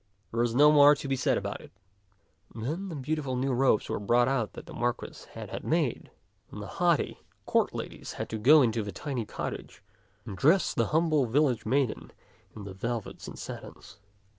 There is no more to be said about it." Then the beautiful new robes were brought out that the Marquis had had made, and the haughty 146 t^t C(^k'0 taU court ladies had to go into the tiny cottage and dress the humble village maiden in the velvets and satins.